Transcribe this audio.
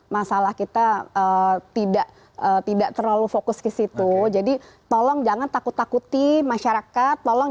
masalah kita tidak tidak terlalu fokus ke situ jadi tolong jangan takut takuti masyarakat tolong